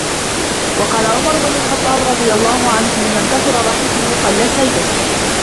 وَقَالَ عُمَرُ بْنُ الْخَطَّابِ رَضِيَ اللَّهُ عَنْهُ مَنْ كَثُرَ ضَحِكُهُ قَلَّتْ هَيْبَتُهُ